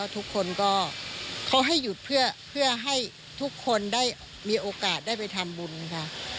ทุกคนก็เขาให้หยุดเพื่อให้ทุกคนได้มีโอกาสได้ไปทำบุญค่ะ